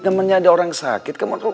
temennya ada orang sakit